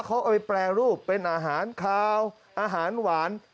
เขาเอาไปแปรรูปเป็นอาหารคาวอาหารหวาน